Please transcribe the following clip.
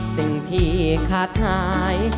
สิ่งที่ขาดหาย